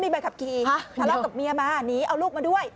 พระราชกับเมียมาหนีเอาลูกมาด้วย